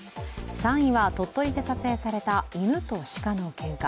３位は鳥取で撮影された犬と鹿のけんか。